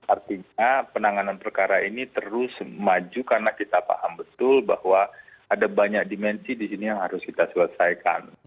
artinya penanganan perkara ini terus maju karena kita paham betul bahwa ada banyak dimensi di sini yang harus kita selesaikan